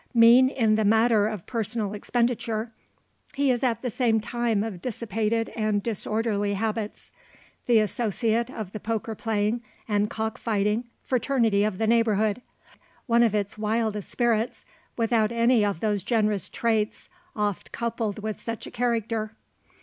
Mean in the matter of personal expenditure, he is at the same time of dissipated and disorderly habits; the associate of the poker playing, and cock fighting, fraternity of the neighbourhood; one of its wildest spirits, without any of those generous traits oft coupled with such a character.